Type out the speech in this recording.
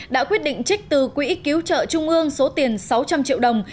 đã quyết định trích từ quỹ cứu trợ trung ương số tiền sáu trăm linh triệu đồng